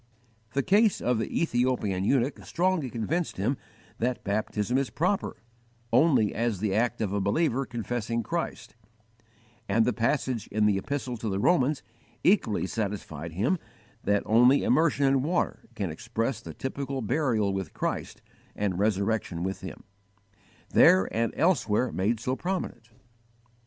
The case of the Ethiopian eunuch strongly convinced him that baptism is proper, only as the act of a believer confessing Christ; and the passage in the Epistle to the Romans equally satisfied him that only immersion in water can express the typical burial with Christ and resurrection with Him, there and elsewhere made so prominent.